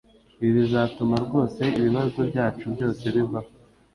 Ibi bizatuma rwose ibibazo byacu byose bivaho